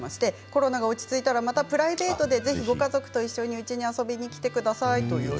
「コロナが落ち着いたらまたプライベートでぜひご家族と一緒に、うちに遊びに来てください」と。